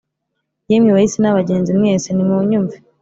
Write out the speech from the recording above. Yemwe, bahisi n’abagenzi mwese, nimunyumve